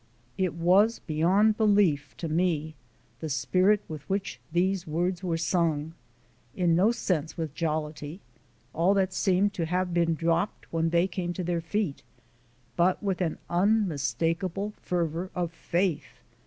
It was beyond belief, to me, the spirit with which these words were sung. In no sense with jollity all that seemed to have been dropped when they came to their feet but with an unmistakable fervour of faith.